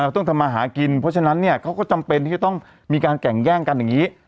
ต้องทำมาหากินเพราะฉะนั้นเขาก็จำเป็นที่จะต้องมีการแก่งแย่งกันอย่างนี้